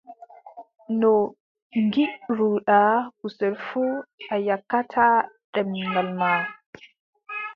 No ngiɗruɗaa kusel fuu, a yakkataa ɗemngal maa.